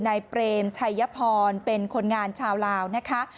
เปรมชัยพรเป็นคนงานชาวลาวนะคะ